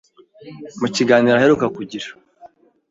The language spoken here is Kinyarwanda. Mu kiganiro aheruka kugira,